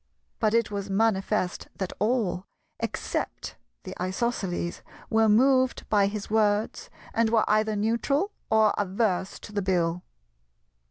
But it was manifest that all, except the Isosceles, were moved by his words and were either neutral or averse to the Bill.